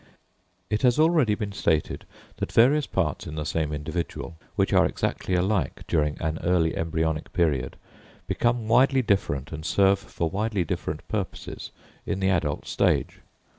It has already been stated that various parts in the same individual, which are exactly alike during an early embryonic period, become widely different and serve for widely different purposes in the adult state.